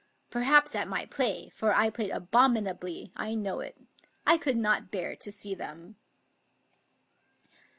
Perhaps at my play, for I played abominably; I know it. I could not bear to see them."